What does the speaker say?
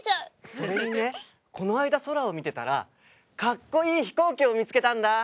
それにねこのあいだ空を見てたらかっこいい飛行機を見つけたんだ！